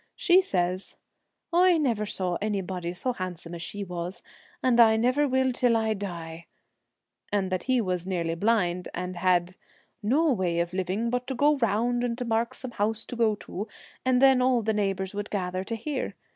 She says, ' I never saw anybody so handsome as she was, and I never will till I die,' and that he was nearly blind, and had ' no way of living but to go round and to mark some house to go to, and then all the neighbours would gather to hear.